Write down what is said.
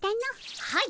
はい。